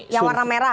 yang warna merah